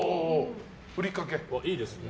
いいですね。